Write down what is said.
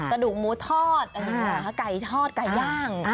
กระดูกหมูทอดไก่ทอดไก่ย่าง